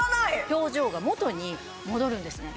表情が元に戻るんですね。